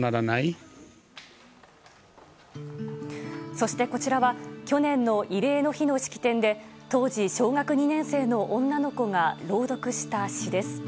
そして、こちらは去年の慰霊の日の式典で当時小学２年生の女の子が朗読した詩です。